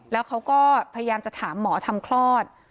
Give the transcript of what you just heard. แล้วเขาก็พยายามจะถามหมอทำคลอด